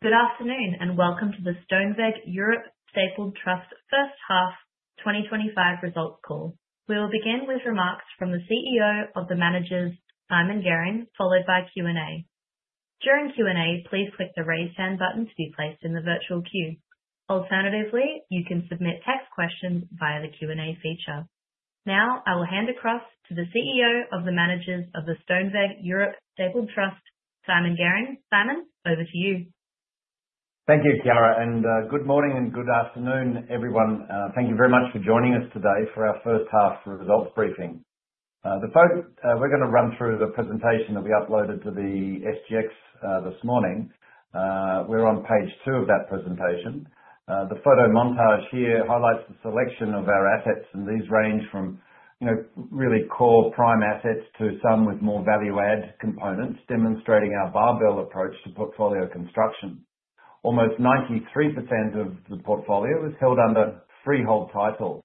Good afternoon and welcome to the Stoneweg Europe Stapled Trust First Half 2025 Results Call. We will begin with remarks from the CEO of the Managers, Simon Garing, followed by Q&A. During Q&A, please click the raise hand button to be placed in the virtual queue. Alternatively, you can submit text questions via the Q&A feature. Now, I will hand across to the CEO of the Managers of the Stoneweg Europe Stapled Trust, Simon Garing. Simon, over to you. Thank you, Chiara, and good morning and good afternoon, everyone. Thank you very much for joining us today for our first half results briefing. First, we're going to run through the presentation that we uploaded to the SGX this morning. We're on page two of that presentation. The photo montage here highlights the selection of our assets, and these range from, you know, really core prime assets to some with more value-add components, demonstrating our barbell approach to portfolio construction. Almost 93% of the portfolio is held under freehold title.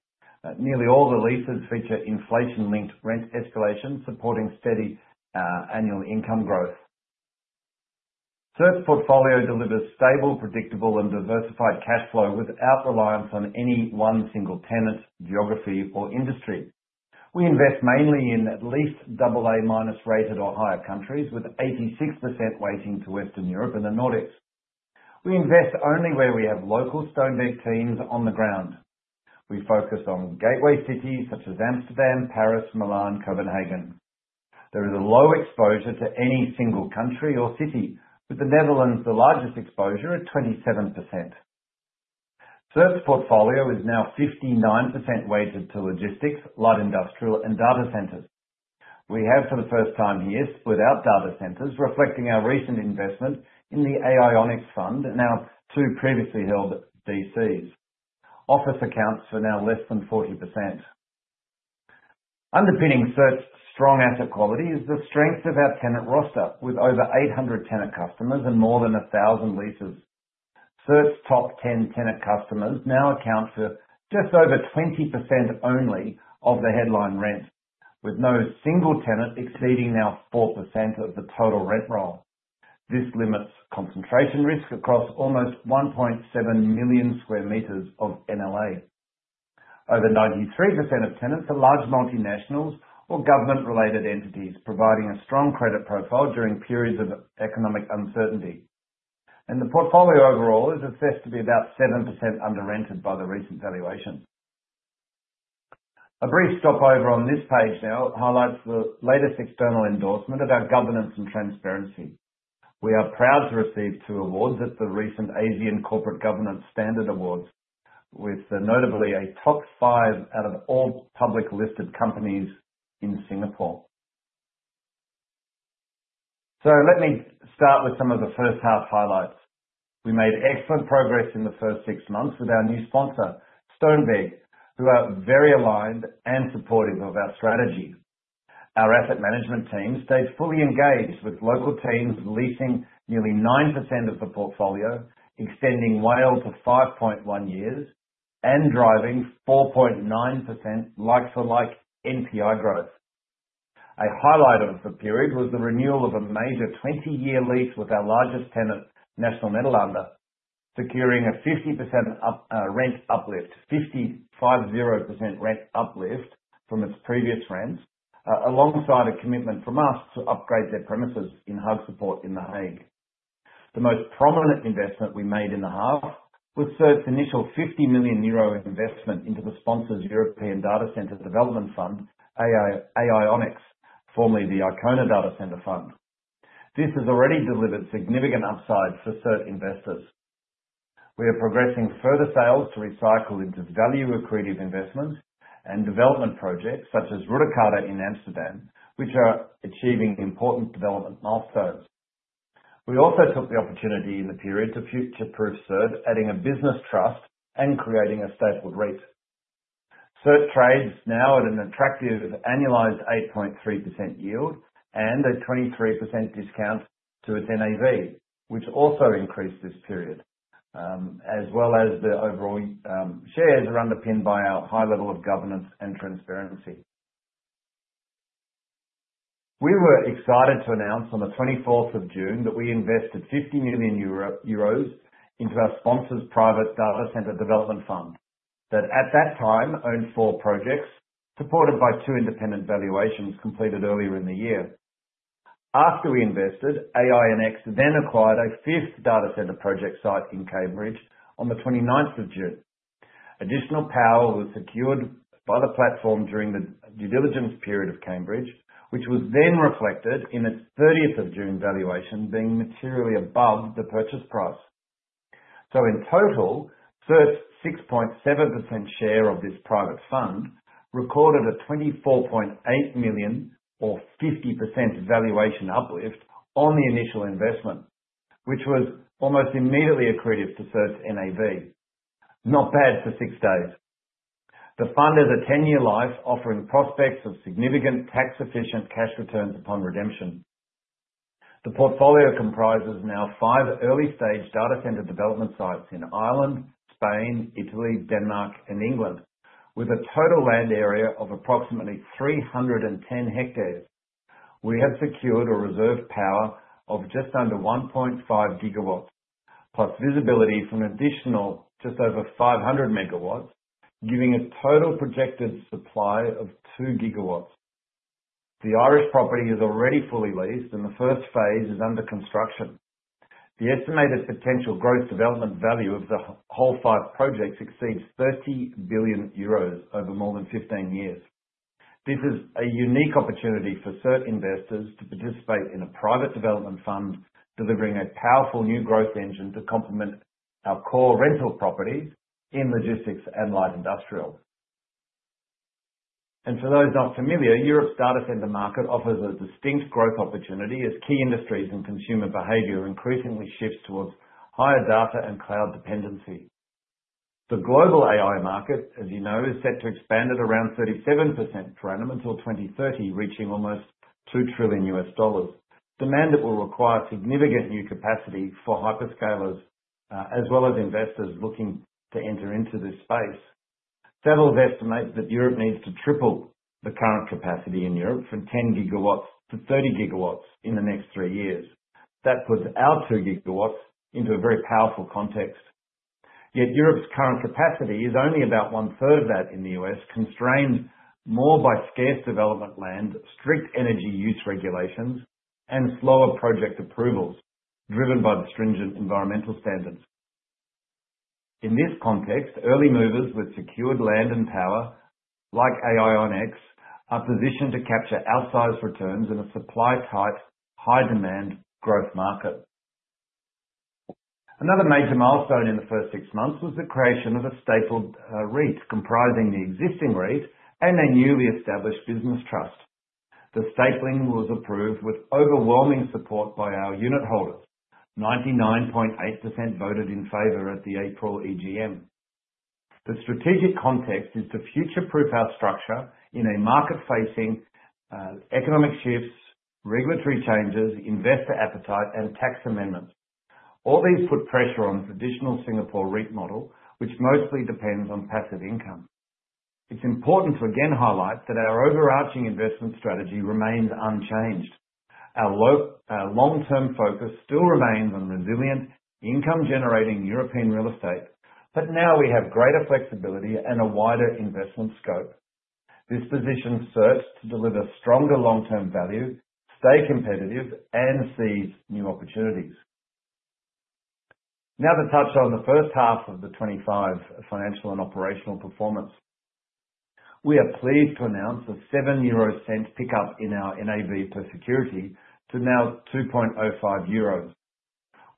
Nearly all the leases feature inflation-linked rent escalation, supporting steady annual income growth. The portfolio delivers stable, predictable, and diversified cash flow without reliance on any one single tenant, geography, or industry. We invest mainly in at least AA-rated or higher countries, with 86% weighting to Western Europe and the Nordics. We invest only where we have local Stoneweg teams on the ground. We focus on gateway cities such as Amsterdam, Paris, Milan, and Copenhagen. There is a low exposure to any single country or city, with the Netherlands' largest exposure at 27%. The portfolio is now 59% weighted to logistics, light industrial, and data centers. We have, for the first time here, split out data centers, reflecting our recent investment in the AIONICS Fund, now two previously held data centers. Office accounts are now less than 40%. Underpinning CERT's strong asset quality is the strength of our tenant roster, with over 800 tenant customers and more than 1,000 leases. CERT's top 10 tenant customers now account for just over 20% only of the headline rent, with no single tenant exceeding now 4% of the total rent roll. This limits concentration risk across almost 1.7 million sq m of NLA. Over 93% of tenants are large multinationals or government-related entities, providing a strong credit profile during periods of economic uncertainty. The portfolio overall is assessed to be about 7% under-rented by the recent valuation. A brief stopover on this page now highlights the latest external endorsement about governance and transparency. We are proud to receive two awards at the recent Asian Corporate Governance Standard Awards, with notably a top five out of all public listed companies in Singapore. Let me start with some of the first half highlights. We made excellent progress in the first six months with our new sponsor, Stoneweg, who are very aligned and supportive of our strategy. Our asset management team stayed fully engaged with local teams, leasing nearly 9% of the portfolio, extending 1L to 5.1 years, and driving 4.9% like-for-like NPI growth. A highlight of the period was the renewal of a major 20-year lease with our largest tenant, Nationale-Nederlanden, securing a 50% rent uplift from its previous rent, alongside a commitment from us to upgrade their premises in The Hague. The most prominent investment we made in the half was CERT's initial 50 million euro investment into the sponsor's European Data Center Development Fund, AIONICS, formerly the Icona Data Center Fund. This has already delivered significant upside for CERT investors. We are progressing further sales to recycle into value-accretive investments and development projects such as Rutacarta in Amsterdam, which are achieving important development milestones. We also took the opportunity in the period to future-proof CERT, adding a business trust and creating a stapled REIT. CERT trades now at an attractive annualized 8.3% yield and a 23% discount to its NAV, which also increased this period, as well as the overall shares are underpinned by our high level of governance and transparency. We were excited to announce on the 24th of June that we invested 50 million euro into our sponsor's private data center development fund that at that time owned four projects supported by two independent valuations completed earlier in the year. After we invested, AIONICS then acquired a fifth data center project site in Cambridge on the 29th of June. Additional power was secured by the platform during the due diligence period of Cambridge, which was then reflected in its 30th of June valuation being materially above the purchase price. In total, CERT's 6.7% share of this private fund recorded a 24.8 million or 50% valuation uplift on the initial investment, which was almost immediately accretive to CERT's NAV. Not bad for six days. The fund has a 10-year life offering prospects of significant tax-efficient cash returns upon redemption. The portfolio now comprises five early-stage data center development sites in Ireland, Spain, Italy, Denmark, and England, with a total land area of approximately 310 hectares. We have secured a reserve power of just under 1.5 GW, plus visibility for an additional just over 500 MW, giving a total projected supply of 2 GW. The Irish property is already fully leased and the first phase is under construction. The estimated potential gross development value of the whole five projects exceeds 30 billion euros over more than 15 years. This is a unique opportunity for CERT investors to participate in a private development fund delivering a powerful new growth engine to complement our core rental properties in logistics and light industrial. For those not familiar, Europe's data center market offers a distinct growth opportunity as key industries and consumer behavior increasingly shift towards higher data and cloud dependency. The global AI market, as you know, is set to expand at around 37% per annum until 2030, reaching almost $2 trillion. Demand that will require significant new capacity for hyperscalers, as well as investors looking to enter into this space. Settled estimates that Europe needs to triple the current capacity in Europe from 10 GW to 30 GW in the next three years. That puts our 2 GW into a very powerful context. Yet Europe's current capacity is only about 1/3 of that in the U.S., constrained more by scarce development land, strict energy use regulations, and slower project approvals driven by the stringent environmental standards. In this context, early movers with secured land and power, like AIONICS, are positioned to capture outsized returns in a supply-tight, high-demand growth market. Another major milestone in the first six months was the creation of a stapled REIT, comprising the existing REIT and a newly established business trust. The stapling was approved with overwhelming support by our unit holders. 99.8% voted in favor at the April EGM. The strategic context is to future-proof our structure in a market facing economic shifts, regulatory changes, investor appetite, and a tax amendment. All these put pressure on the traditional Singapore REIT model, which mostly depends on passive income. It's important to again highlight that our overarching investment strategy remains unchanged. Our long-term focus still remains on resilient, income-generating European real estate, but now we have greater flexibility and a wider investment scope. This positions CERT to deliver stronger long-term value, stay competitive, and seize new opportunities. Now to touch on the first half of the 2025 financial and operational performance. We are pleased to announce a 0.07 pickup in our NAV per security to now 2.05 euros.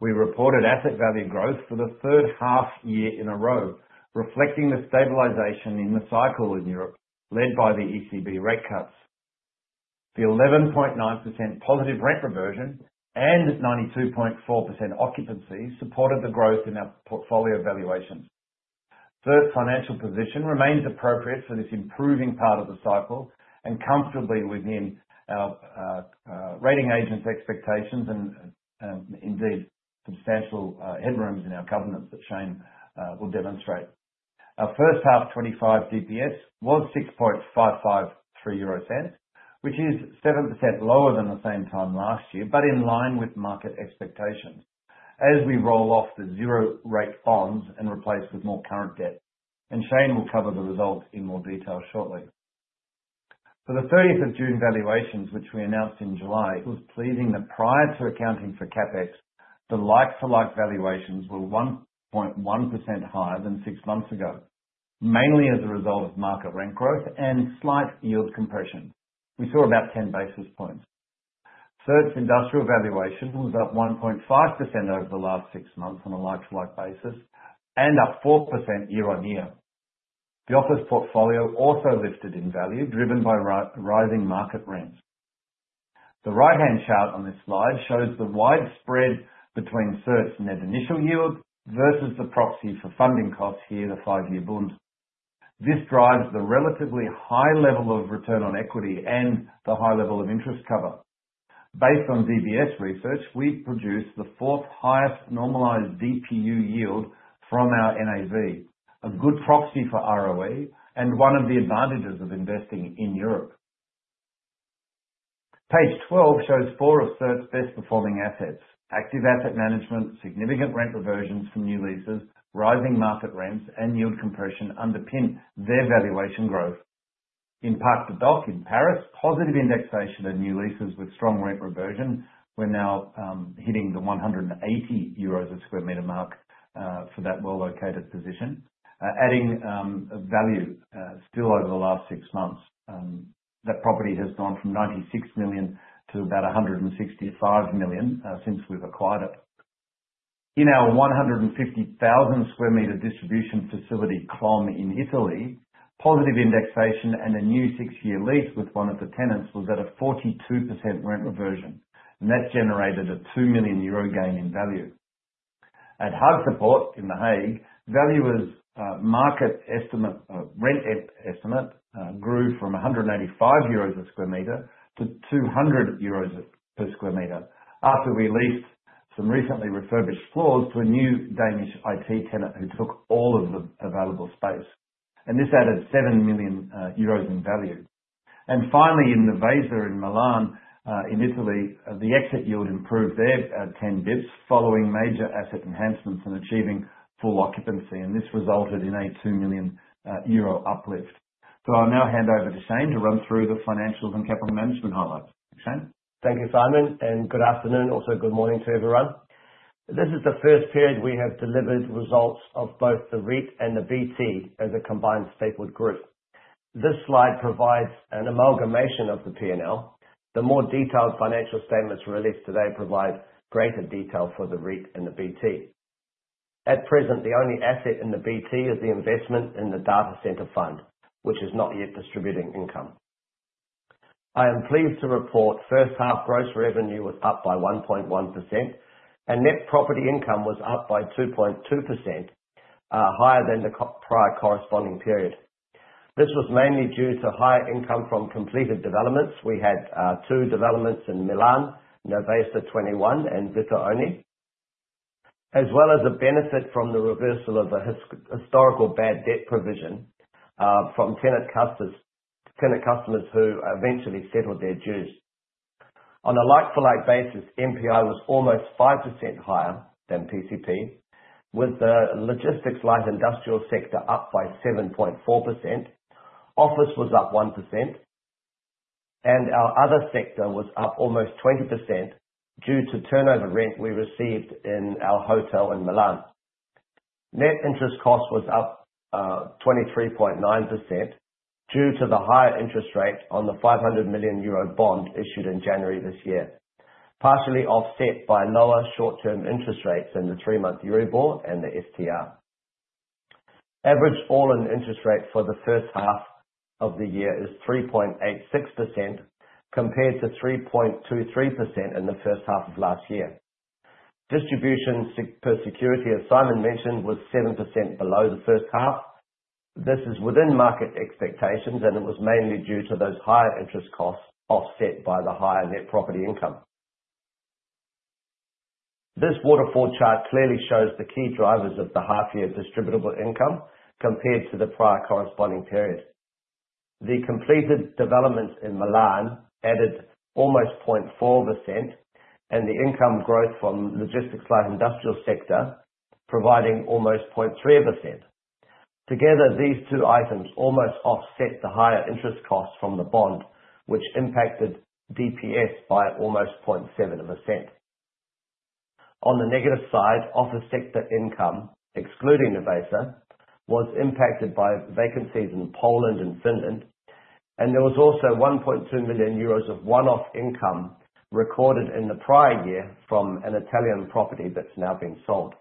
We reported asset value growth for the third half year in a row, reflecting the stabilization in the cycle in Europe, led by the ECB rate cuts. The 11.9% positive rate reversion and 92.4% occupancy supported the growth in our portfolio valuations. CERT's financial position remains appropriate for this improving part of the cycle and comfortably within our rating agents' expectations and indeed substantial headrooms in our governance that Shane will demonstrate. Our first half 2025 distribution per security was 0.06553, which is 7% lower than the same time last year, but in line with market expectations as we roll off the zero-rate bonds and replace with more current debt. Shane will cover the result in more detail shortly. For the June 30 valuations, which we announced in July, it was pleasing that prior to accounting for CapEx, the like-for-like valuations were 1.1% higher than six months ago, mainly as a result of market rent growth and slight yield compression. We saw about 10 basis points. CERT's industrial valuation was up 1.5% over the last six months on a like-for-like basis and up 4% year-on-year. The office portfolio also lifted in value, driven by rising market rents. The right-hand chart on this slide shows the widespread between CERT's net initial yield versus the proxy for funding costs here, the five-year bonds. This drives the relatively high level of return on equity and the high level of interest cover. Based on DBS research, we've produced the fourth highest normalized DPU yield from our NAV, a good proxy for ROE and one of the advantages of investing in Europe. Page 12 shows four of CERT's best-performing assets. Active asset management, significant rent reversions from new leases, rising market rents, and yield compression underpin their valuation growth. In Park, the Dock in Paris, positive indexation and new leases with strong rent reversion were now hitting the 180 euros a square meter mark for that well-located position, adding value still over the last six months. That property has gone from 96 million to about 165 million since we've acquired it. In our 150,000 sq m distribution facility Clom in Italy, positive indexation and a new six-year lease with one of the tenants was at a 42% rent reversion, and that's generated a 2 million euro gain in value. At Hague Support in The Hague, value as market estimate, rent estimate grew from 185 euros a sq m to 200 euros per sq m after we leased some recently refurbished floors to a new Danish IT tenant who took all of the available space. This added 7 million euros in value. Finally, in the Veser in Milan in Italy, the exit yield improved there 10 basis points following major asset enhancements and achieving full occupancy, and this resulted in a 2 million euro uplift. I'll now hand over to Shane to run through the financials and capital management highlights. Shane. Thank you, Simon, and good afternoon. Also, good morning to everyone. This is the first period we have delivered results of both the REIT and the BT as a combined stapled group. This slide provides an amalgamation of the P&L. The more detailed financial statements released today provide greater detail for the REIT and the BT. At present, the only asset in the BT is the investment in the data center fund, which is not yet distributing income. I am pleased to report first half gross revenue was up by 1.1%, and net property income was up by 2.2%, higher than the prior corresponding period. This was mainly due to higher income from completed developments. We had two developments in Milan, Novesta 21, and Vita Oni, as well as a benefit from the reversal of the historical bad debt provision from tenant customers who eventually settled their dues. On a like-for-like basis, NPI was almost 5% higher than PCP, with the logistics light industrial sector up by 7.4%. Office was up 1%, and our other sector was up almost 20% due to turnover rent we received in our hotel in Milan. Net interest cost was up 23.9% due to the higher interest rate on the 500 million euro bond issued in January this year, partially offset by lower short-term interest rates in the three-month Euribor and the STR. Average all-in interest rate for the first half of the year is 3.86% compared to 3.23% in the first half of last year. Distribution per security, as Simon mentioned, was 7% below the first half. This is within market expectations, and it was mainly due to those higher interest costs offset by the higher net property income. This waterfall chart clearly shows the key drivers of the half-year distributable income compared to the prior corresponding period. The completed developments in Milan added almost 0.4%, and the income growth from the logistics light industrial sector provided almost 0.3%. Together, these two items almost offset the higher interest costs from the bond, which impacted DPS by almost 0.7%. On the negative side, office sector income, excluding the Veser, was impacted by vacancies in Poland and Finland, and there was also 1.2 million euros of one-off income recorded in the prior year from an Italian property that's now been sold.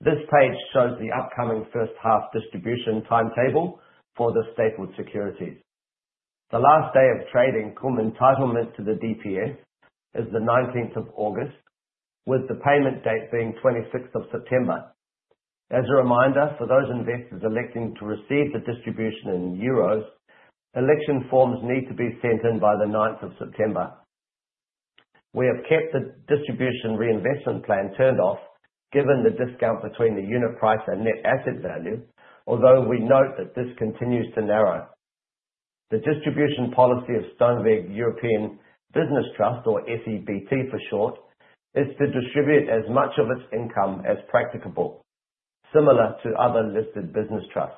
This page shows the upcoming first half distribution timetable for the stapled securities. The last day of trading cum title meant to the DPS is the 19th of August, with the payment date being the 26th of September. As a reminder for those investors electing to receive the distribution in euros, election forms need to be sent in by the 9th of September. We have kept the distribution reinvestment plan turned off, given the discount between the unit price and net asset value, although we note that this continues to narrow. The distribution policy of Stoneweg European Business Trust, or SEBT for short, is to distribute as much of its income as practicable, similar to other listed business trusts.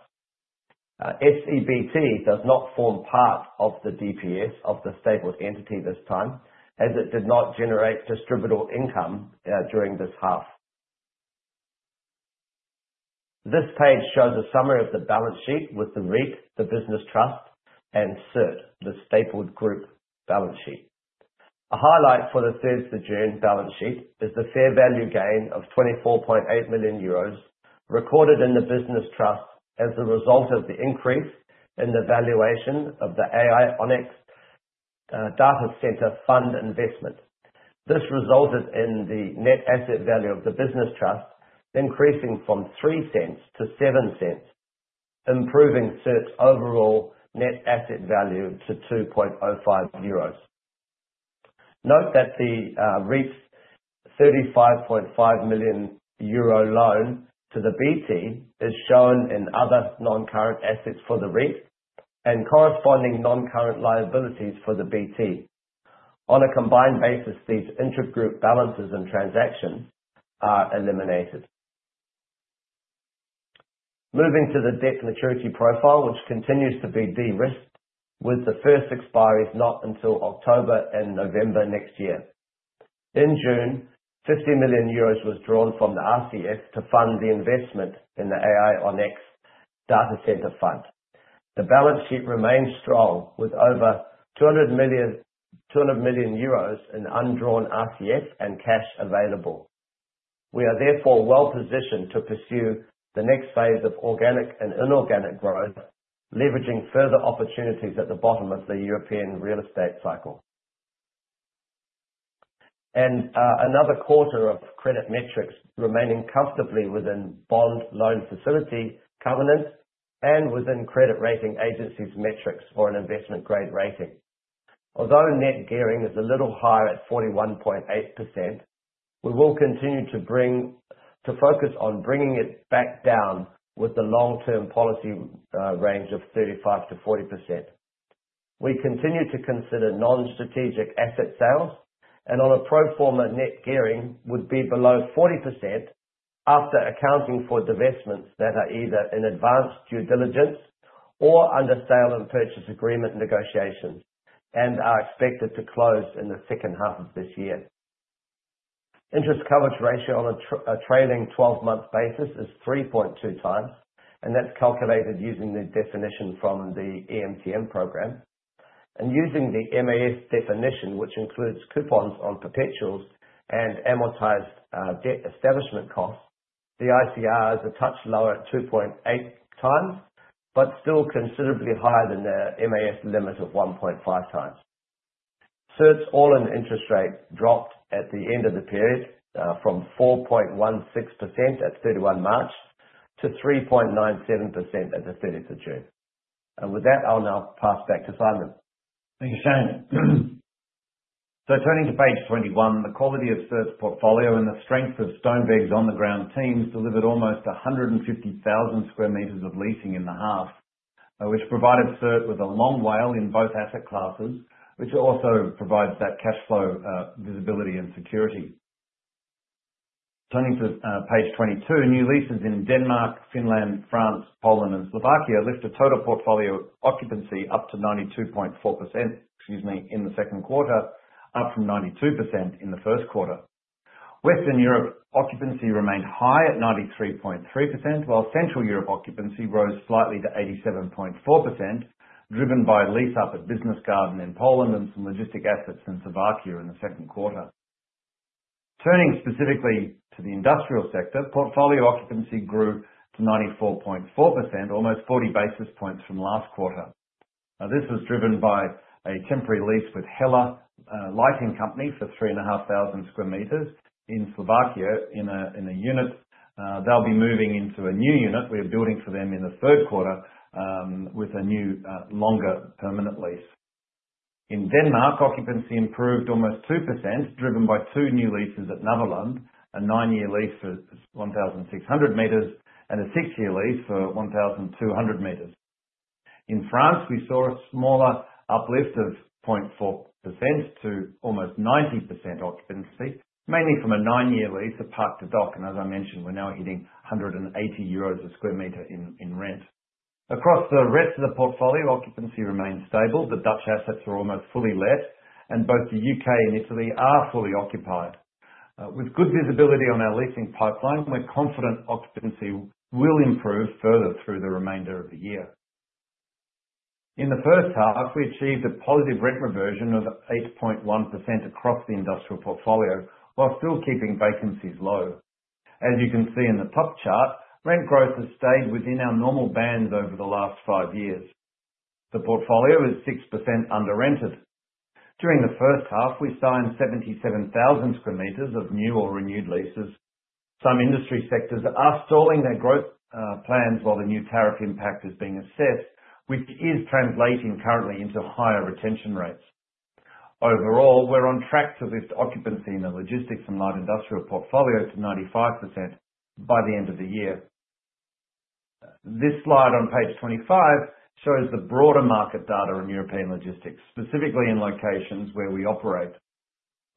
SEBT does not form part of the DPS of the stapled entity this time, as it did not generate distributable income during this half. This page shows a summary of the balance sheet with the REIT, the business trust, and CERT, the stapled group balance sheet. A highlight for the CERT's adjourned balance sheet is the fair value gain of 24.8 million euros recorded in the business trust as a result of the increase in the valuation of the AIONICS Data Center Fund investment. This resulted in the net asset value of the business trust increasing from 0.03 to 0.07, improving CERT's overall net asset value to 2.05 euros. Note that the REIT's 35.5 million euro loan to the BT is shown in other non-current assets for the REIT and corresponding non-current liabilities for the BT. On a combined basis, these intergroup balances and transactions are eliminated. Moving to the debt maturity profile, which continues to be de-risked, with the first expiry not until October and November next year. In June, 50 million euros was drawn from the revolving credit facility to fund the investment in the AIONICS Data Center Fund. The balance sheet remains strong, with over 200 million euros in undrawn revolving credit facility and cash available. We are therefore well positioned to pursue the next phase of organic and inorganic growth, leveraging further opportunities at the bottom of the European real estate cycle. Another quarter of credit metrics remains comfortably within bond loan facility governance and within credit rating agencies' metrics for an investment grade rating. Although net gearing is a little higher at 41.8%, we will continue to focus on bringing it back down within the long-term policy range of 35%-40%. We continue to consider non-core asset divestments, and on a pro forma net gearing would be below 40% after accounting for divestments that are either in advanced due diligence or under sale and purchase agreement negotiation and are expected to close in the second half of this year. Interest coverage ratio on a trailing 12-month basis is 3.2x, and that's calculated using the definition from the EMTM program. Using the MAS definition, which includes coupons on perpetuals and amortized debt establishment costs, the interest coverage ratio is a touch lower at 2.8x, but still considerably higher than the MAS limit of 1.5x. CERT's all-in interest rates dropped at the end of the period from 4.16% at 31 March to 3.97% at 30 June. With that, I'll now pass back to Simon. Thank you, Shane. Turning to page 21, the quality of CERT's portfolio and the strength of Stoneweg's on-the-ground teams delivered almost 150,000 sq m of leasing in the half, which provided CERT with a long WALE in both asset classes, which also provides that cash flow visibility and security. Turning to page 22, new leases in Denmark, Finland, France, Poland, and Slovakia lifted total portfolio occupancy up to 92.4% in the second quarter, up from 92% in the first quarter. Western Europe occupancy remained high at 93.3%, while Central Europe occupancy rose slightly to 87.4%, driven by lease up at Business Garden in Poland and some logistic assets in Slovakia in the second quarter. Turning specifically to the industrial sector, portfolio occupancy grew to 94.4%, almost 40 basis points from last quarter. This was driven by a temporary lease with Hella Lighting Company for 3,500 sq m in Slovakia in a unit. They'll be moving into a new unit we are building for them in the third quarter with a new, longer, permanent lease. In Denmark, occupancy improved almost 2%, driven by two new leases at Neverland, a nine-year lease for 1,600 m, and a six-year lease for 1,200 m. In France, we saw a smaller uplift of 0.4% to almost 90% occupancy, mainly from a nine-year lease at Park de Dock, and as I mentioned, we're now hitting 180 euros a sq m in rent. Across the rest of the portfolio, occupancy remains stable. The Dutch assets are almost fully let, and both the U.K. and Italy are fully occupied. With good visibility on our leasing pipeline, we're confident occupancy will improve further through the remainder of the year. In the first half, we achieved a positive rent reversion of 8.1% across the industrial portfolio while still keeping vacancies low. As you can see in the top chart, rent growth has stayed within our normal bands over the last five years. The portfolio is 6% under-rented. During the first half, we signed 77,000 sq m of new or renewed leases. Some industry sectors are stalling their growth plans while the new tariff impact is being assessed, which is translating currently into higher retention rates. Overall, we're on track to lift occupancy in the logistics and light industrial portfolio to 95% by the end of the year. This slide on page 25 shows the broader market data in European logistics, specifically in locations where we operate.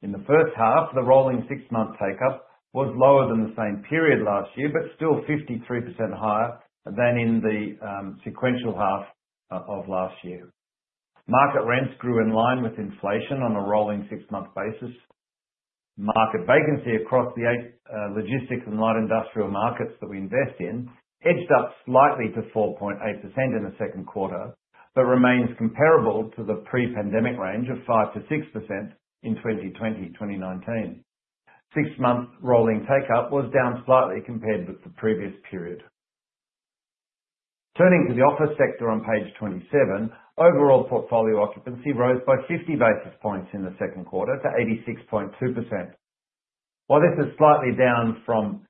In the first half, the rolling six-month takeup was lower than the same period last year, but still 53% higher than in the sequential half of last year. Market rents grew in line with inflation on a rolling six-month basis. Market vacancy across the eight logistics and light industrial markets that we invest in edged up slightly to 4.8% in the second quarter, but remains comparable to the pre-pandemic range of 5%-6% in 2020-2019. Six-month rolling takeup was down slightly compared with the previous period. Turning to the office sector on page 27, overall portfolio occupancy rose by 50 basis points in the second quarter to 86.2%. While this is slightly down from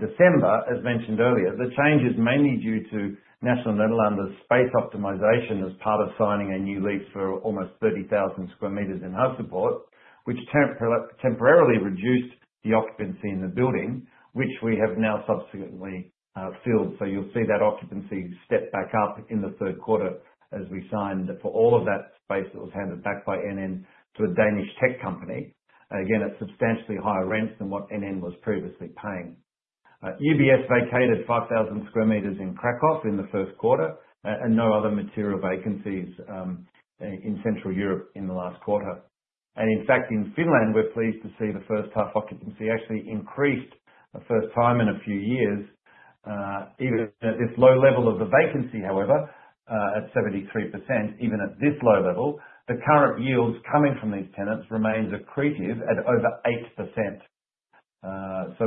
December, as mentioned earlier, the change is mainly due to Nationale-Nederlanden's space optimization as part of signing a new lease for almost 30,000 sq m in The Hague Support, which temporarily reduced the occupancy in the building, which we have now subsequently filled. You'll see that occupancy step back up in the third quarter as we signed for all of that space that was handed back by NN to a Danish tech company, again at a substantially higher rent than what NN was previously paying. UBS vacated 5,000 sq m in Kraków in the first quarter and no other material vacancies in Central Europe in the last quarter. In fact, in Finland, we're pleased to see the first half occupancy actually increased for the first time in a few years. Even at this low level of the vacancy, however, at 73%, the current yields coming from these tenants remain accretive at over 8%.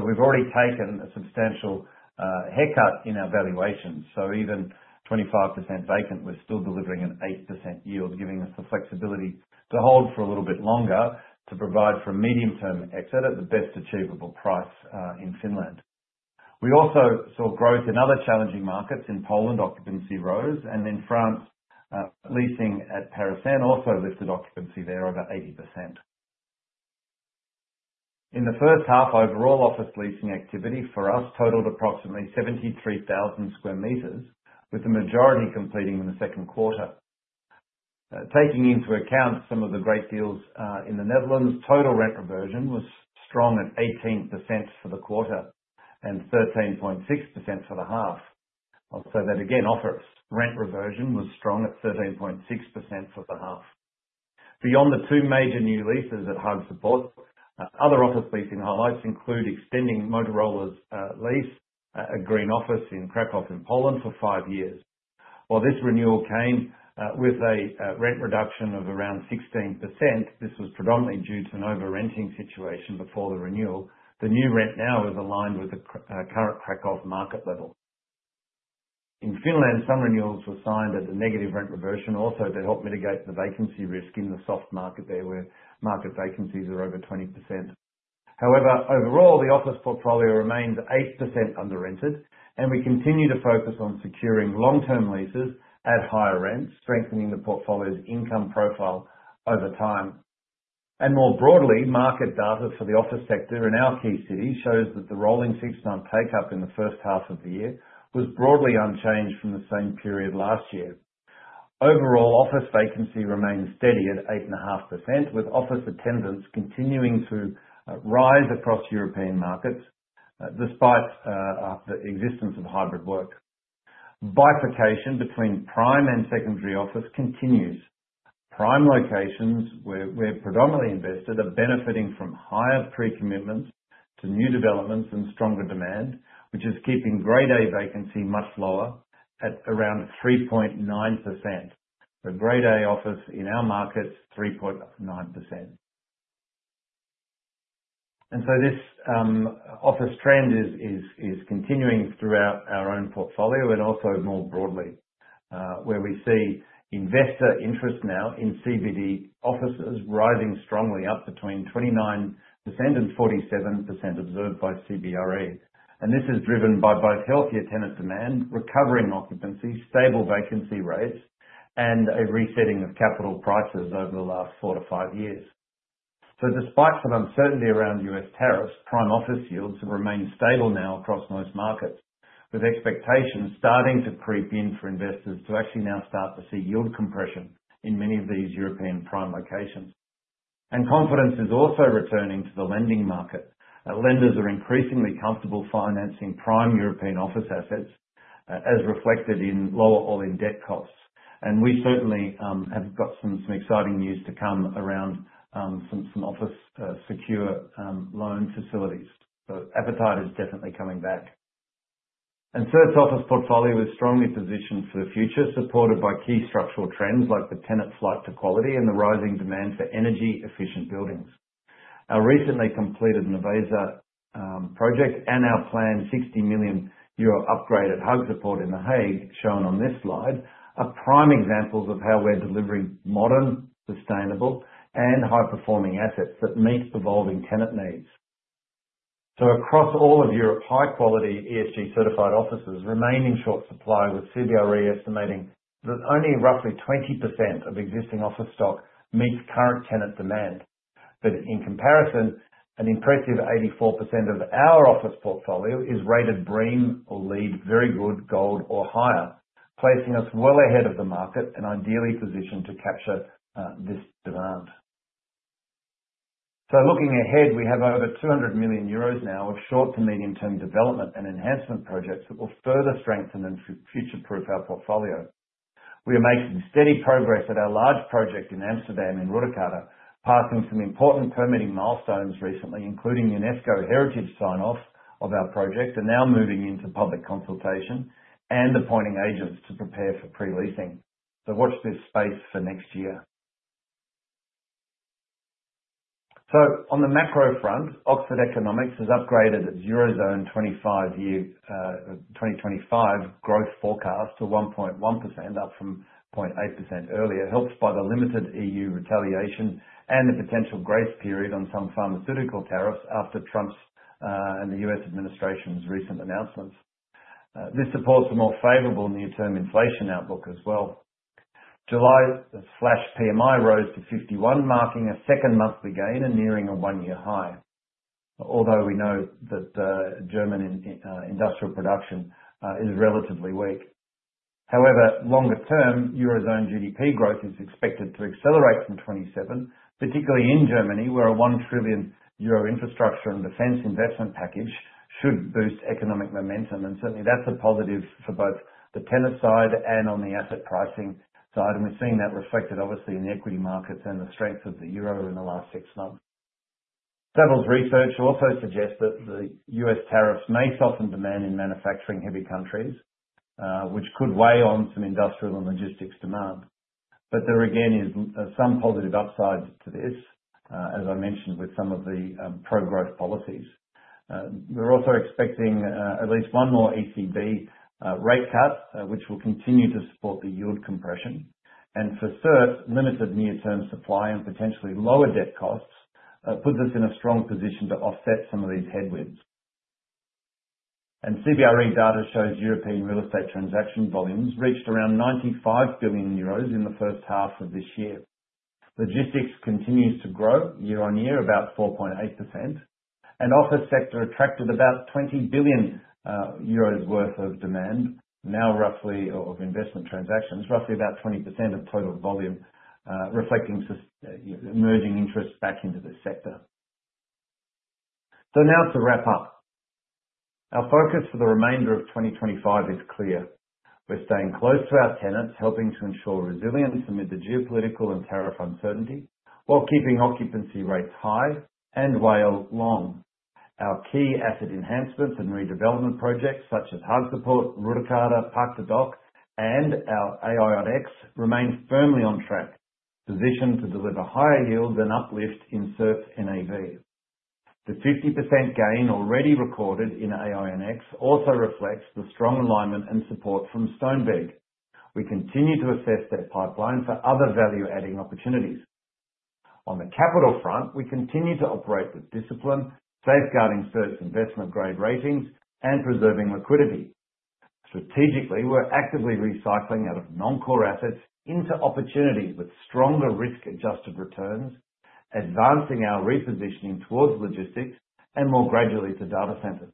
We've already taken a substantial haircut in our valuations. Even 25% vacant, we're still delivering an 8% yield, giving us the flexibility to hold for a little bit longer to provide for a medium-term exit at the best achievable price in Finland. We also saw growth in other challenging markets. In Poland, occupancy rose, and in France, leasing at Paris also lifted occupancy there over 80%. In the first half, overall office leasing activity for us totaled approximately 73,000 sq m, with the majority completing in the second quarter. Taking into account some of the great deals in the Netherlands, total rent reversion was strong at 18% for the quarter and 13.6% for the half. I'll say that again, office rent reversion was strong at 13.6% for the half. Beyond the two major new leases at The Hague Support, other office leasing highlights include extending Motorola's lease at Green Office in Kraków in Poland for five years. While this renewal came with a rent reduction of around 16%, this was predominantly due to an over-renting situation before the renewal. The new rent now is aligned with the current Kraków market level. In Finland, some renewals were signed at a negative rent reversion also to help mitigate the vacancy risk in the soft market, where market vacancies are over 20%. However, overall, the office portfolio remains 8% under-rented, and we continue to focus on securing long-term leases at higher rents, strengthening the portfolio's income profile over time. More broadly, market data for the office sector in our key city shows that the rolling six-month takeup in the first half of the year was broadly unchanged from the same period last year. Overall, office vacancy remains steady at 8.5%, with office attendance continuing to rise across European markets despite the existence of hybrid work. Bifurcation between prime and secondary office continues. Prime locations where we're predominantly invested are benefiting from higher pre-commitments to new developments and stronger demand, which is keeping Grade A vacancy much lower at around 3.9%. The Grade A office in our market is 3.9%. This office trend is continuing throughout our own portfolio and also more broadly, where we see investor interest now in CBD offices rising strongly up between 29% and 47% observed by CBRE. This is driven by both healthier tenant demand, recovering occupancy, stable vacancy rates, and a resetting of capital prices over the last four to five years. Despite some uncertainty around U.S. tariffs, prime office yields have remained stable now across most markets, with expectations starting to creep in for investors to actually now start to see yield compression in many of these European prime locations. Confidence is also returning to the lending markets. Lenders are increasingly comfortable financing prime European office assets, as reflected in lower all-in debt costs. We certainly have got some exciting news to come around some office secure loan facilities. The appetite is definitely coming back. CERT's office portfolio is strongly positioned for the future, supported by key structural trends like the tenant's flight to quality and the rising demand for energy-efficient buildings. Our recently completed Novesa project and our planned 60 million euro upgrade at Hague support in The Hague, shown on this slide, are prime examples of how we're delivering modern, sustainable, and high-performing assets that meet evolving tenant needs. Across all of Europe, high-quality ESG-certified offices remain in short supply, with CBRE estimating that only roughly 20% of existing office stock meets current tenant demand. In comparison, an impressive 84% of our office portfolio is rated BREEAM or LEED, very good, gold, or higher, placing us well ahead of the market and ideally positioned to capture this demand. Looking ahead, we have over 200 million euros now of short-to-medium-term development and enhancement projects that will further strengthen and future-proof our portfolio. We are making steady progress at our large project in Amsterdam in Rutacarta, passing some important permitting milestones recently, including UNESCO heritage sign-off of our project, and now moving into public consultation and appointing agents to prepare for pre-leasing. Watch this space for next year. On the macro front, Oxford Economics has upgraded its Eurozone 2025 growth forecast to 1.1%, up from 0.8% earlier, helped by the limited EU retaliation and the potential grace period on some pharmaceutical tariffs after Trump's and the U.S. administration's recent announcements. This supports a more favorable near-term inflation outlook as well. July's flash PMI rose to 51, marking a second monthly gain and nearing a one-year high, although we know that German industrial production is relatively weak. However, longer-term Eurozone GDP growth is expected to accelerate from 2027, particularly in Germany, where a 1 trillion euro infrastructure and defense investment package should boost economic momentum. That is a positive for both the tenor side and on the asset pricing side. We are seeing that reflected obviously in the equity markets and the strength of the euro in the last six months. Settles research also suggests that the U.S. tariffs may soften demand in manufacturing-heavy countries, which could weigh on some industrial and logistics demand. There again is some positive upside to this, as I mentioned with some of the pro-growth policies. We are also expecting at least one more ECB rate cut, which will continue to support the yield compression. For CERT, limited near-term supply and potentially lower debt costs put this in a strong position to offset some of these headwinds. CBRE data shows European real estate transaction volumes reached around 95 billion euros in the first half of this year. Logistics continues to grow year on year, about 4.8%. The office sector attracted about 20 billion euros worth of demand, now roughly of investment transactions, roughly about 20% of total volume, reflecting emerging interest back into this sector. To wrap up, our focus for the remainder of 2025 is clear. We're staying close to our tenants, helping to ensure resilience amid the geopolitical and tariff uncertainty, while keeping occupancy rates high and while long. Our key asset enhancements and redevelopment projects, such as The Hague support, Rutacarta, Park de Dock, and our AIONICS, remain firmly on track, positioned to deliver higher yield than uplift in CERT's NAV. The 50% gain already recorded in AIONICS also reflects the strong alignment and support from Stoneweg. We continue to assess their pipeline for other value-adding opportunities. On the capital front, we continue to operate with discipline, safeguarding CERT's investment grade ratings and preserving liquidity. Strategically, we're actively recycling out of non-core assets into opportunities with stronger risk-adjusted returns, advancing our repositioning towards logistics and more gradually to data centers.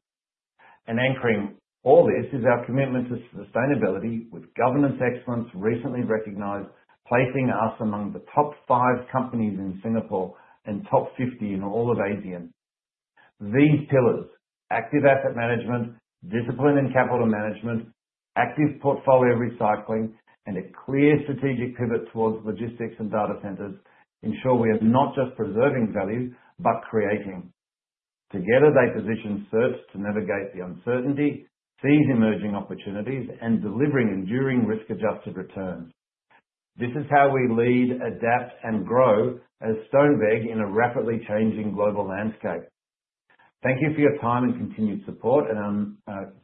Anchoring all this is our commitment to sustainability with governance excellence recently recognized, placing us among the top five companies in Singapore and top 50 in all of ASEAN. These pillars: active asset management, discipline in capital management, active portfolio recycling, and a clear strategic pivot towards logistics and data centers ensure we are not just preserving value, but creating. Together, they position CERT to navigate the uncertainty, seize emerging opportunities, and deliver enduring risk-adjusted returns. This is how we lead, adapt, and grow as Stoneweg in a rapidly changing global landscape. Thank you for your time and continued support.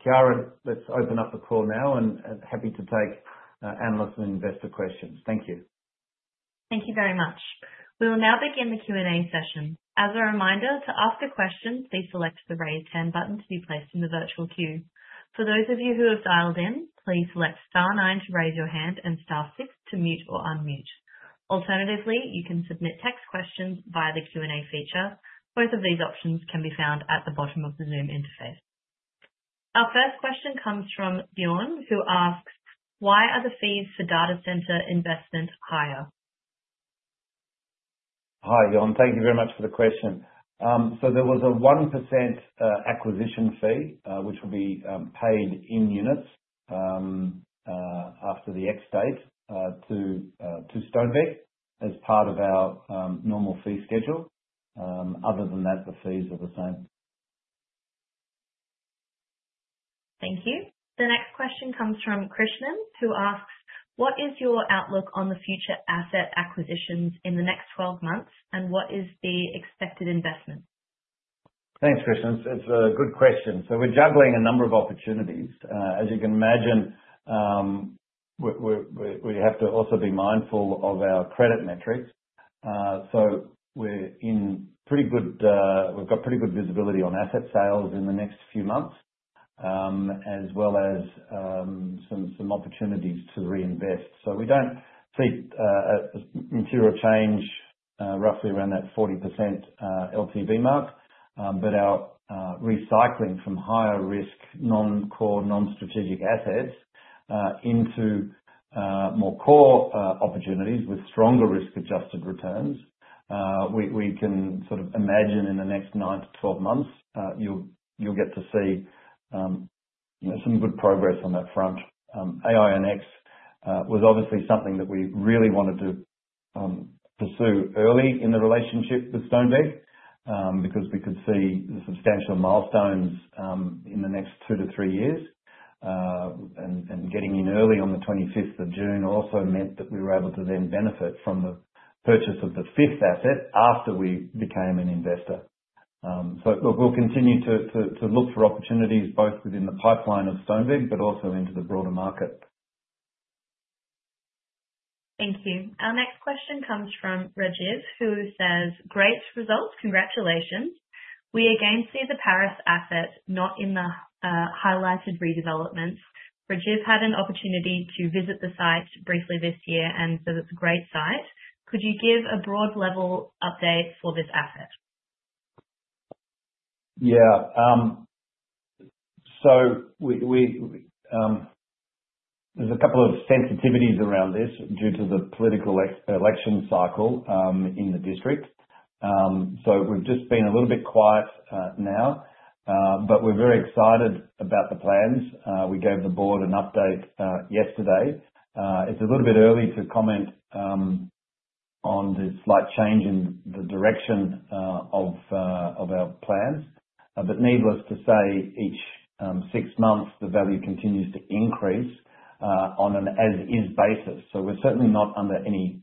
Karen, let's open up the call now and happy to take analysts and investor questions. Thank you. Thank you very much. We will now begin the Q&A session. As a reminder, to ask a question, please select the raised hand button to be placed in the virtual queue. For those of you who have dialed in, please select star nine to raise your hand and star six to mute or unmute. Alternatively, you can submit text questions via the Q&A feature. Both of these options can be found at the bottom of the Zoom interface. Our first question comes from Bjorn, who asks, why are the fees for data center investment higher? Hi Bjorn, thank you very much for the question. There was a 1% acquisition fee, which will be paid in units after the ex date to Stoneweg as part of our normal fee schedule. Other than that, the fees are the same. Thank you. The next question comes from Krishnan, who asks, what is your outlook on the future asset acquisitions in the next 12 months, and what is the expected investment? Thanks, Krishnan. It's a good question. We're juggling a number of opportunities. As you can imagine, we have to also be mindful of our credit metrics. We're in pretty good, we've got pretty good visibility on asset sales in the next few months, as well as some opportunities to reinvest. We don't see material change roughly around that 40% LTV mark, but our recycling from higher risk non-core non-strategic assets into more core opportunities with stronger risk-adjusted returns. We can sort of imagine in the next 9-12 months, you'll get to see some good progress on that front. AIONICS was obviously something that we really wanted to pursue early in the relationship with Stoneweg because we could see the substantial milestones in the next two to three years. Getting in early on the 25th of June also meant that we were able to then benefit from the purchase of the fifth asset after we became an investor. We'll continue to look for opportunities both within the pipeline of Stoneweg, but also into the broader market. Thank you. Our next question comes from Rajiv, who says, great results, congratulations. We again see the Paris asset not in the highlighted redevelopments. Rajiv had an opportunity to visit the site briefly this year and says it's a great site. Could you give a broad level update for this asset? Yeah. There are a couple of sensitivities around this due to the political election cycle in the district. We've just been a little bit quiet now, but we're very excited about the plans. We gave the board an update yesterday. It's a little bit early to comment on the slight change in the direction of our plans, but needless to say, each six months, the value continues to increase on an as-is basis. We're certainly not under any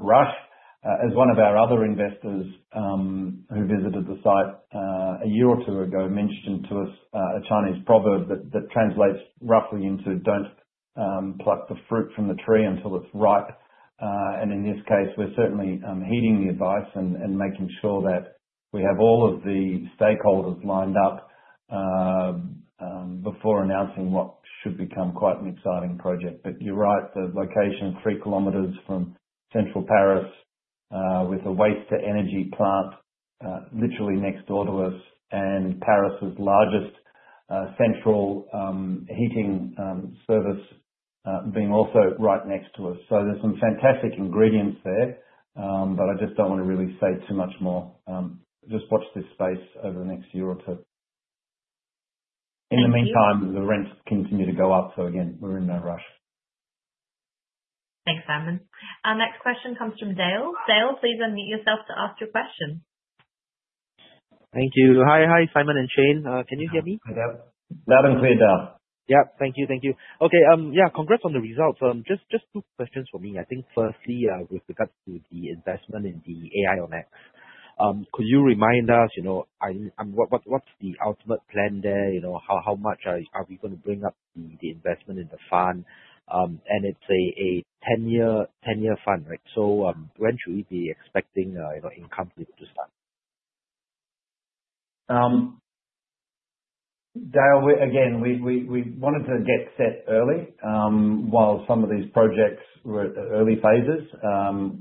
rush. As one of our other investors who visited the site a year or two ago mentioned to us, a Chinese proverb that translates roughly into, don't pluck the fruit from the tree until it's ripe. In this case, we're certainly heeding the advice and making sure that we have all of the stakeholders lined up before announcing what should become quite an exciting project. You're right, the location is three kilometers from central Paris with a waste-to-energy plant literally next door to us and Paris' largest central heating service being also right next to us. There are some fantastic ingredients there, but I just don't want to really say too much more. Just watch this space over the next year or two. In the meantime, the rents continue to go up. Again, we're in no rush. Thanks, Simon. Our next question comes from Dale. Dale, please unmute yourself to ask your question. Thank you. Hi Simon and Shane. Can you hear me? Loud and clear, Dale. Thank you, thank you. Okay, yeah, congrats on the results. Just two questions for me. Firstly, with regards to the investment in the AIONICS, could you remind us what's the ultimate plan there? How much are we going to bring up the investment in the fund? It's a 10-year fund, right? When should we be expecting income to start? Dale, again, we wanted to get set early while some of these projects were at early phases.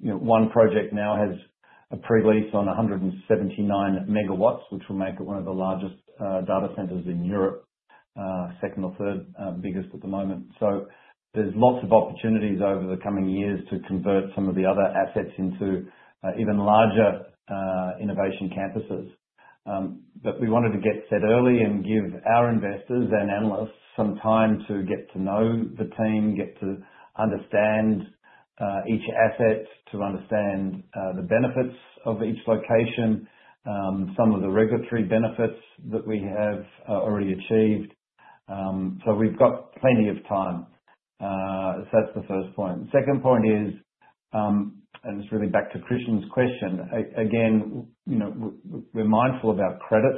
One project now has a pre-lease on 179 MW, which will make it one of the largest data centers in Europe, second or third biggest at the moment. There are lots of opportunities over the coming years to convert some of the other assets into even larger innovation campuses. We wanted to get set early and give our investors and analysts some time to get to know the team, get to understand each asset, to understand the benefits of each location, some of the regulatory benefits that we have already achieved. We've got plenty of time. That's the first point. The second point is, and it's really back to Krishnan's question. We're mindful about credit,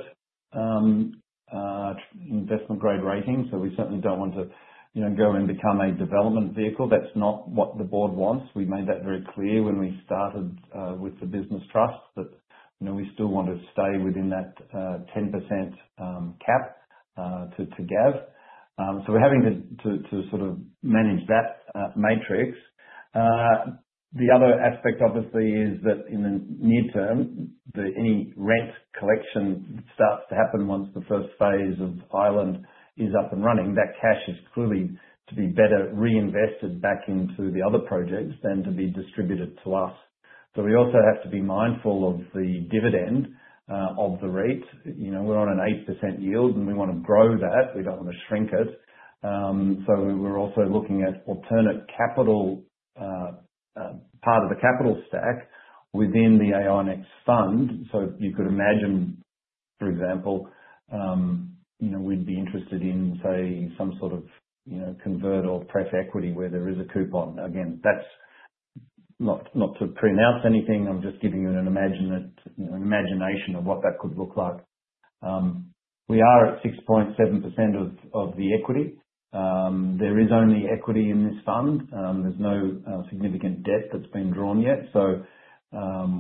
investment grade rating. We certainly don't want to go and become a development vehicle. That's not what the board wants. We made that very clear when we started with the business trust that we still want to stay within that 10% cap to GAV. We're having to sort of manage that matrix. The other aspect, obviously, is that in the near term, any rent collection starts to happen once the first phase of Ireland is up and running. That cash is clearly to be better reinvested back into the other projects than to be distributed to us. We also have to be mindful of the dividend of the rate. We're on an 8% yield and we want to grow that. We don't want to shrink it. We're also looking at alternate capital part of the capital stack within the AIONICS Fund. You could imagine, for example, we'd be interested in, say, some sort of convert or press equity where there is a coupon. Again, that's not to pre-announce anything. I'm just giving you an imagination of what that could look like. We are at 6.7% of the equity. There is only equity in this fund. There's no significant debt that's been drawn yet.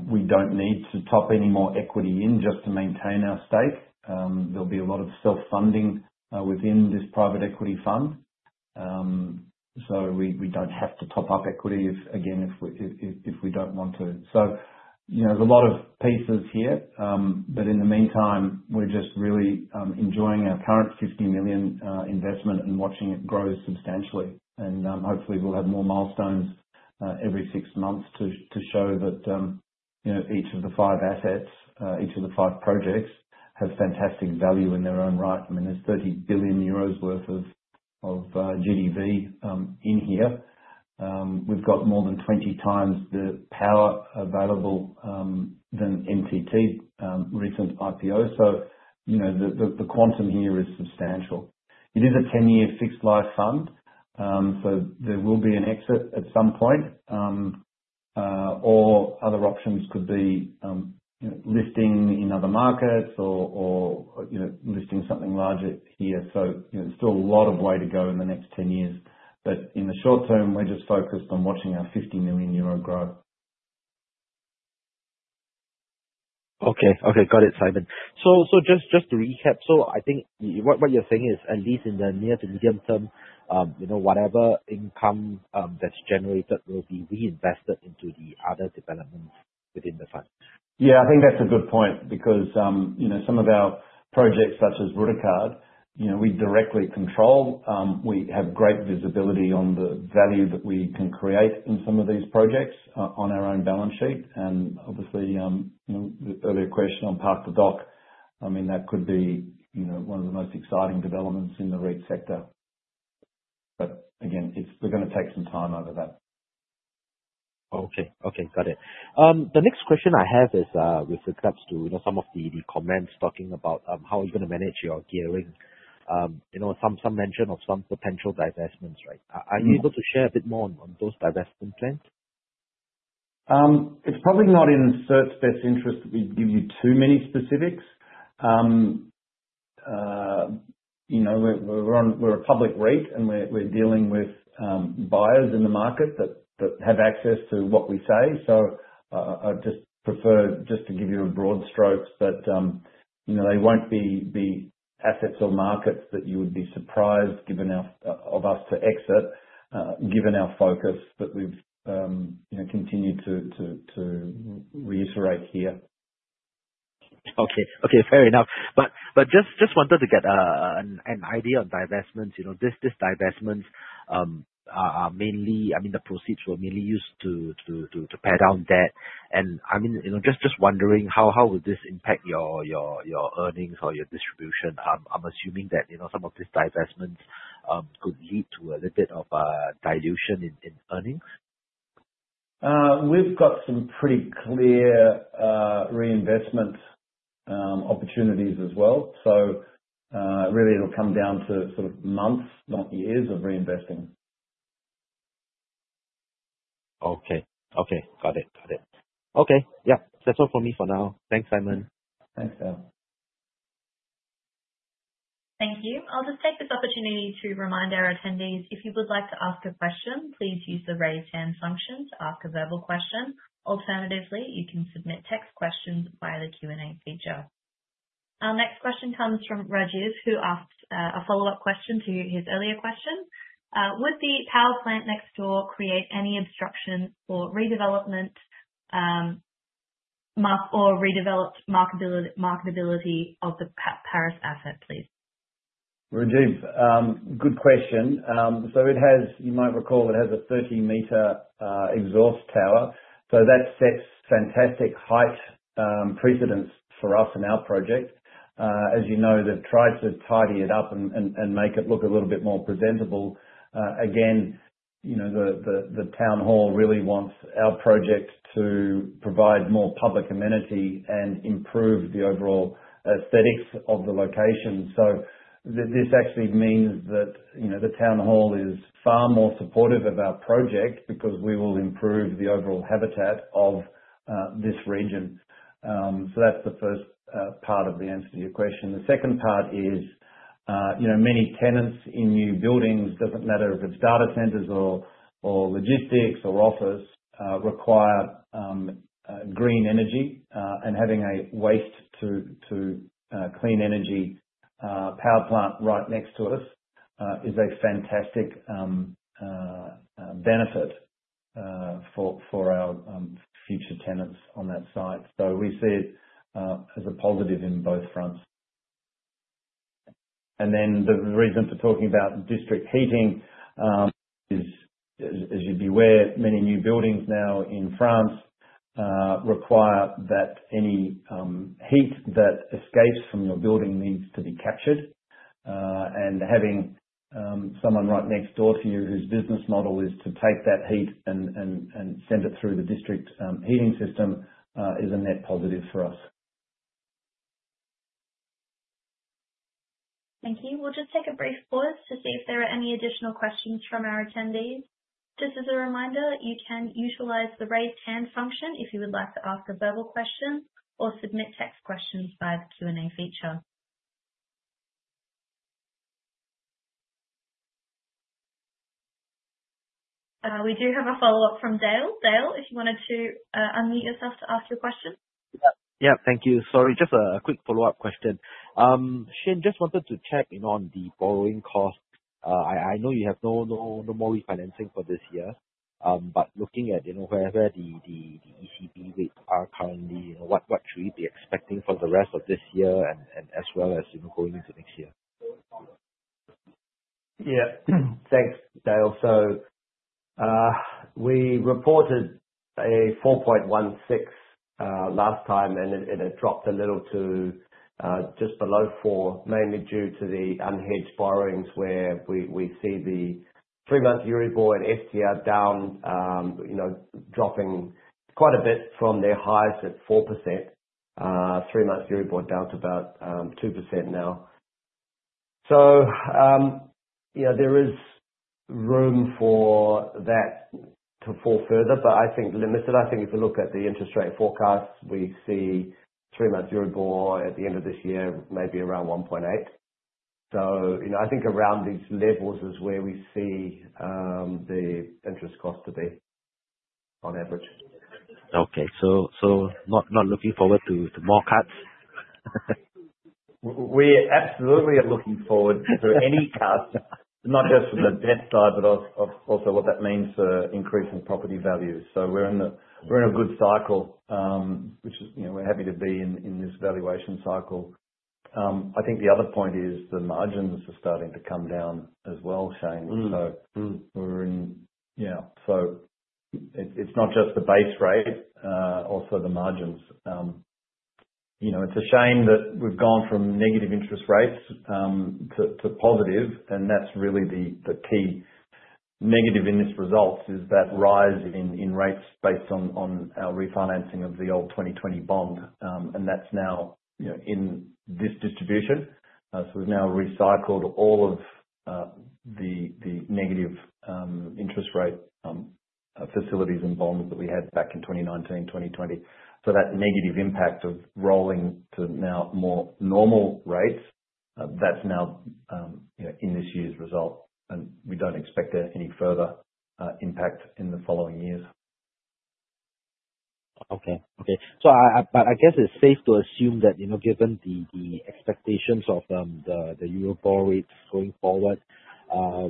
We don't need to top any more equity in just to maintain our stake. There'll be a lot of self-funding within this private equity fund. We don't have to top up equity, again, if we don't want to. There are a lot of pieces here, but in the meantime, we're just really enjoying our current 50 million investment and watching it grow substantially. Hopefully, we'll have more milestones every six months to show that each of the five assets, each of the five projects, has fantastic value in their own right. There's 30 billion euros worth of GDV in here. We've got more than 20x the power available than MTT's recent IPO. The quantum here is substantial. It is a 10-year fixed-life fund. There will be an exit at some point, or other options could be listing in other markets or listing something larger here. There's still a lot of way to go in the next 10 years. In the short term, we're just focused on watching our 50 million euro grow. Okay, got it, Simon. Just to recap, I think what you're saying is at least in the near to medium term, whatever income that's generated will be reinvested into the other developments within the fund. Yeah, I think that's a good point because, you know, some of our projects such as Rutacarte, we directly control. We have great visibility on the value that we can create in some of these projects on our own balance sheet. Obviously, the earlier question on Park de Dock, I mean, that could be one of the most exciting developments in the REIT sector. We're going to take some time over that. Okay, got it. The next question I have is with regards to, you know, some of the comments talking about how you're going to manage your gearing. You know, some mention of some potential divestments, right? Are you able to share a bit more on those divestment plans? It's probably not in CERT's best interest that we give you too many specifics. You know, we're a public REIT and we're dealing with buyers in the market that have access to what we say. I'd just prefer to give you a broad stroke, but they won't be assets or markets that you would be surprised given us to exit, given our focus that we've continued to reiterate here. Okay, fair enough. Just wanted to get an idea on divestments. These divestments are mainly, I mean, the proceeds were mainly used to pay down debt. I'm just wondering how would this impact your earnings or your distribution? I'm assuming that some of these divestments could lead to a little bit of dilution in earnings. We've got some pretty clear reinvestment opportunities as well. It will come down to months, not years, of reinvesting. Okay, that's all for me for now. Thanks, Simon. Thanks, Dale. Thank you. I'll just take this opportunity to remind our attendees, if you would like to ask a question, please use the raised hand function to ask a verbal question. Alternatively, you can submit text questions via the Q&A feature. Our next question comes from Rajiv, who asks a follow-up question to his earlier question. Would the power plant next door create any obstruction for redevelopment or redeveloped marketability of the Paris asset, please? Rajiv, good question. It has, you might recall, a 30-m exhaust tower. That sets fantastic height precedence for us in our project. As you know, they've tried to tidy it up and make it look a little bit more presentable. The town hall really wants our project to provide more public amenity and improve the overall aesthetics of the location. This actually means that the town hall is far more supportive of our project because we will improve the overall habitat of this region. That's the first part of the answer to your question. The second part is, many tenants in new buildings, doesn't matter if it's data centers or logistics or office, require green energy. Having a waste-to-clean energy power plant right next to us is a fantastic benefit for our future tenants on that site. We see it as a positive on both fronts. The reason for talking about district heating is, as you'd be aware, many new buildings now in France require that any heat that escapes from your building needs to be captured. Having someone right next door to you whose business model is to take that heat and send it through the district heating system is a net positive for us. Thank you. We'll just take a brief pause to see if there are any additional questions from our attendees. Just as a reminder, you can utilize the raised hand function if you would like to ask a verbal question or submit text questions via the Q&A feature. We do have a follow-up from Dale. Dale, if you wanted to unmute yourself to ask your question. Thank you. Sorry, just a quick follow-up question. Shane, just wanted to check in on the borrowing cost. I know you have no more refinancing for this year, but looking at where the ECB rates are currently, what should we be expecting for the rest of this year and as well as going into next year? Yeah, thanks, Dale. We reported a 4.16 last time, and it had dropped a little to just below 4, mainly due to the unhedged borrowings where we see the three-month Euribor and FTR down, dropping quite a bit from their highest at 4%. Three-month Euribor down to about 2% now. There is room for that to fall further, but I think limited. If you look at the interest rate forecast, we see three-month Euribor at the end of this year maybe around 1.8%. I think around these levels is where we see the interest cost to be on average. Okay, so not looking forward to more cuts? We absolutely are looking forward to any cuts, not just from the debt side, but also what that means for increasing property value. We're in a good cycle, which is, you know, we're happy to be in this valuation cycle. I think the other point is the margins are starting to come down as well, Shane. It's not just the base rate, also the margins. It's a shame that we've gone from negative interest rates to positive, and that's really the key negative in this result, that rise in rates based on our refinancing of the old 2020 bond, and that's now in this distribution. We've now recycled all of the negative interest rate facilities and bonds that we had back in 2019 and 2020. That negative impact of rolling to now more normal rates is now in this year's result, and we don't expect any further impact in the following years. Okay. I guess it's safe to assume that, you know, given the expectations of the Euribor rates going forward,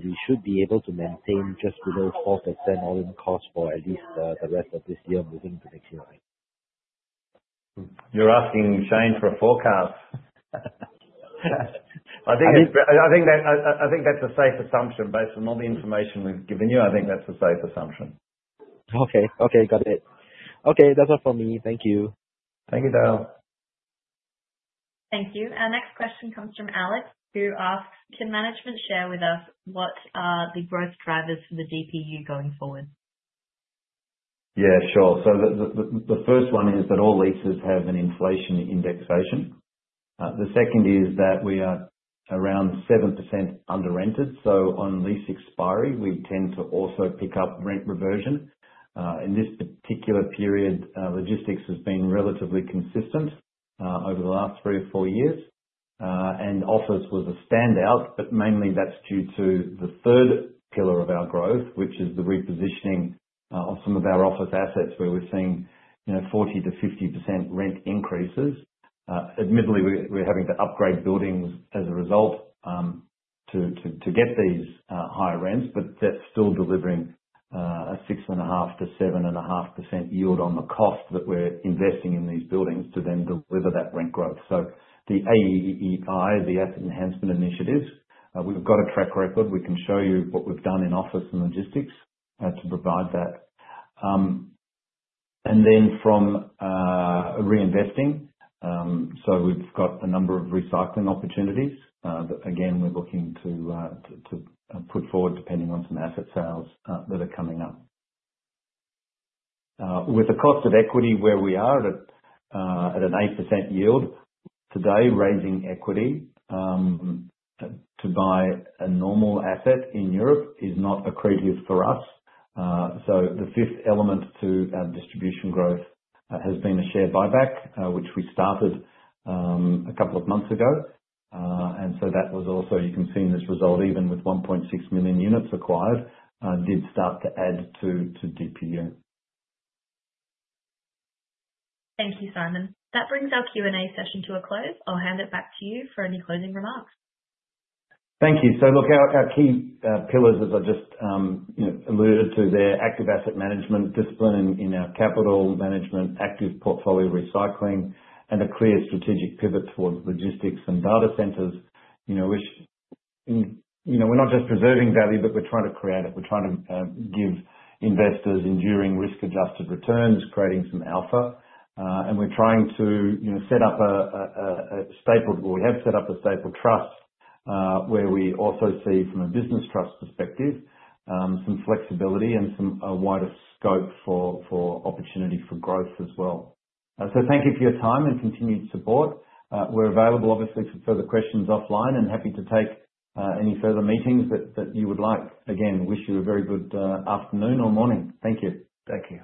we should be able to maintain just below 12%-10% all-in costs for at least the rest of this year, moving to the next year, right? You're asking Shane Hagan for a forecast? I think that's a safe assumption based on all the information we've given you. I think that's a safe assumption. Okay, got it. Okay, that's all for me. Thank you. Thank you, Dale. Thank you. Our next question comes from Alex, who asks, can management share with us what are the growth drivers for the DPU going forward? Yeah, sure. The first one is that all leases have an inflation indexation. The second is that we are around 7% under-rented. On lease expiry, we tend to also pick up rent reversion. In this particular period, logistics has been relatively consistent over the last three or four years, and office was a standout, mainly that's due to the third pillar of our growth, which is the repositioning of some of our office assets where we're seeing 40%-50% rent increases. Admittedly, we're having to upgrade buildings as a result to get these higher rents, but that's still delivering a 6.5%-7.5% yield on the cost that we're investing in these buildings to then deliver that rent growth. The AEEI, the Asset Enhancement Initiative, we've got a track record. We can show you what we've done in office and logistics to provide that. From reinvesting, we've got a number of recycling opportunities that, again, we're looking to put forward depending on some asset sales that are coming up. With the cost of equity where we are at an 8% yield today, raising equity to buy a normal asset in Europe is not a credence for us. The fifth element to our distribution growth has been a share buyback, which we started a couple of months ago. That was also, you can see in this result, even with 1.6 million units acquired, did start to add to DPU. Thank you, Simon. That brings our Q&A session to a close. I'll hand it back to you for any closing remarks. Thank you. Our key pillars, as I just alluded to, are active asset management, discipline in our capital management, active portfolio recycling, and a clear strategic pivot towards logistics and data centers. We're not just preserving value, but we're trying to create it. We're trying to give investors enduring risk-adjusted returns, creating some alpha. We're trying to set up a stapled, or we have set up a stapled trust where we also see, from a business trust perspective, some flexibility and some wider scope for opportunity for growth as well. Thank you for your time and continued support. We're available, obviously, for further questions offline and happy to take any further meetings that you would like. Again, wish you a very good afternoon or morning. Thank you. Thank you.